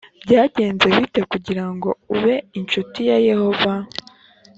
byagenze bite kugira ngo ube incuti ya yehova